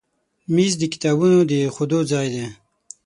مېز د کتابونو د ایښودو ځای دی.